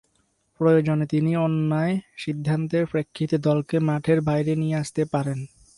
প্রয়োজনে তিনি অন্যায় সিদ্ধান্তের প্রেক্ষিতে দলকে মাঠের বাইরে নিয়ে আসতে পারেন।